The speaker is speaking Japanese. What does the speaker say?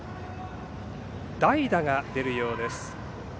代打が出るようです。